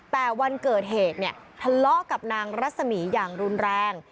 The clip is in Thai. แต่วันเกิดเหตุเนี่ยทะเลาะกับนางรัศมีร์อย่างรุนแรง